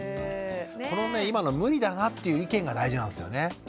このね今の無理だなっていう意見が大事なんですよね。